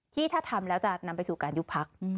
ที่ถ้าทำแล้วจะนำไปสู่การยุบพัก